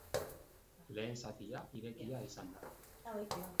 Lehen zatia irekia izan da.